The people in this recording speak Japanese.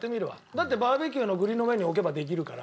だってバーベキューのグリルの上に置けばできるから。